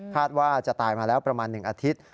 ว่าจะตายมาแล้วประมาณ๑อาทิตย์